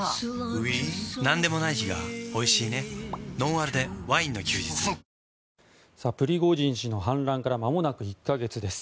あふっプリゴジン氏の反乱からまもなく１か月です。